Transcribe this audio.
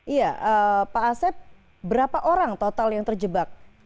iya pak asep berapa orang total yang terjebak